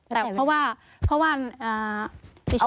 แต่เพราะว่าพระว่านดิฉัน